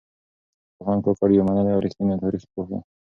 پوهاند کاکړ يو منلی او رښتينی تاريخ پوه و.